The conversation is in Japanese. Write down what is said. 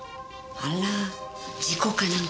あら事故かなんか？